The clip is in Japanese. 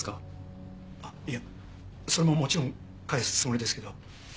あっいやそれももちろん返すつもりですけど。